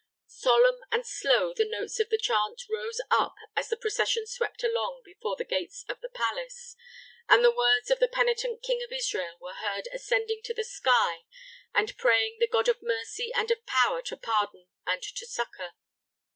Solemn and slow the notes of the chant rose up as the procession swept along before the gates of the palace, and the words of the penitent King of Israel were heard ascending to the sky, and praying the God of mercy and of power to pardon and to succor.